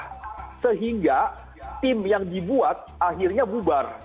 nah sehingga tim yang dibuat akhirnya bubar